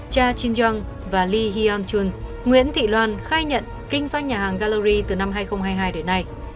cha chin yong và lee hyon chun nguyễn thị loan khai nhận kinh doanh nhà hàng gallery từ năm hai nghìn hai mươi hai đến nay